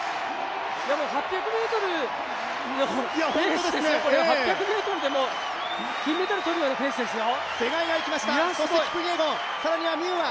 解説でも８００ｍのペースですね、金メダル取るようなペースですよ。